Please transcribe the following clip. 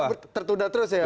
karena tertunda terus ya